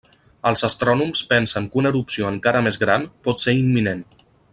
Els astrònoms pensen que una erupció encara més gran pot ser imminent.